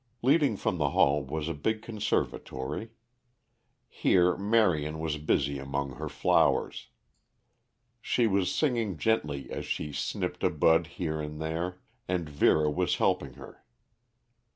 Leading from the hall was a big conservatory. Here Marion was busy among her flowers. She was singing gently as she snipped a bud here and there, and Vera was helping her.